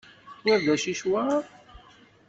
Tewwiḍ-d asicwaṛ?